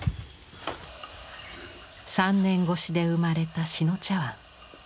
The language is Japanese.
３年越しで生まれた志野茶碗。